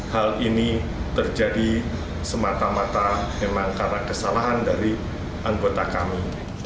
hal ini terjadi semata mata memang karena kesalahan dari anggota kami